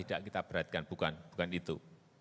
ini bukan yang kita berhatikan bukan bukan itu